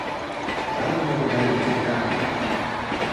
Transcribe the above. Waarom hebben wij dit gedaan?